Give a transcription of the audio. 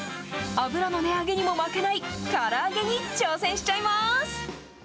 油の値上げにも負けないから揚げに挑戦しちゃいます。